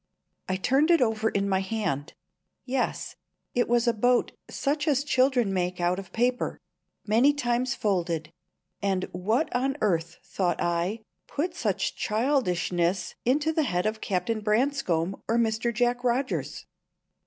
I turned it over in my hand. Yes; it was a boat such as children make out of paper, many times folded, and "What on earth," thought I, "put such childishness into the head of Captain Branscome or Mr. Jack Rogers?"